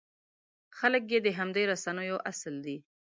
خلک چې د همدې رسنیو اصل دی.